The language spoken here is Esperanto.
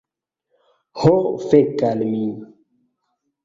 Ho fek' al mi